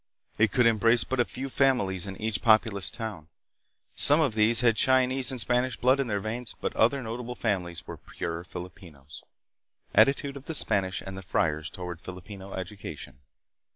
It could embrace but a few families in each populous town. Some of these had Chinese and Spanish blood in their veins, but other notable families were pure Filipinos. Attitude of the Spanish and the Friars toward Filipino Education.